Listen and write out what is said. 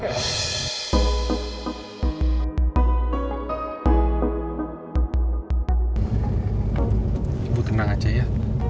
ibu tenang aja ya